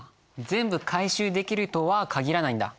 全部回収できるとは限らないんだ。